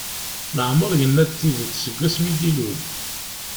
Leɛmeṛ yenna-d tidet seg wasmi d-ilul.